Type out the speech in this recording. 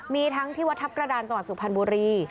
มีทั้งที่วัดทัพกระดานจังหวัดสุพรรณบุรี